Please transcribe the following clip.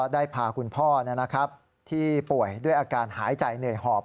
ได้พาคุณพ่อที่ป่วยด้วยอาการหายใจเหนื่อยหอบ